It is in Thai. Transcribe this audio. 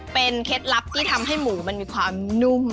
เป็นเคล็ดลับที่ทำให้หมูมันมีความนุ่ม